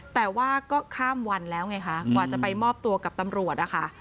แต่ว่าก็ข้ามวันแล้วไงคะกว่าจะไปมอบตัวกับตำรวจนะคะ